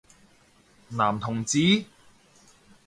男同志？